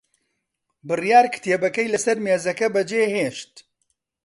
بڕیار کتێبەکەی لەسەر مێزەکە بەجێهێشت.